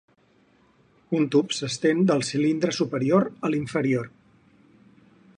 Un tub s'estén del cilindre superior a l'inferior.